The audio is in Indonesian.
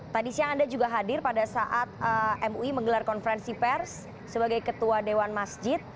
tadi siang anda juga hadir pada saat mui menggelar konferensi pers sebagai ketua dewan masjid